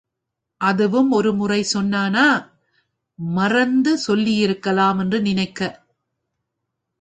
அதுவும் ஒருமுறை சொன்னானா, மறந்து சொல்லியிருக்கலாம் என்று நினைக்க?